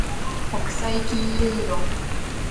国際金融論